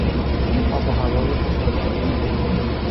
آب و هوای خوشایند